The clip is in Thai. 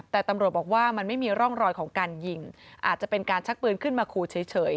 แต่ตำรวจบอกว่ามันไม่มีร่องรอยของการยิงอาจจะเป็นการชักปืนขึ้นมาขู่เฉย